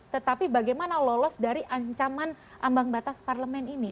tetapi bagaimana lolos dari ancaman ambang batas parlemen ini